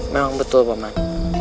memang betul paman